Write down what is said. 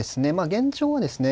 現状はですね